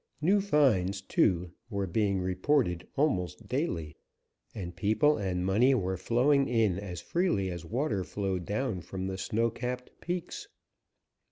New finds, too, were being reported almost daily, and people and money were flowing in as freely as water flowed down from the snow capped peaks.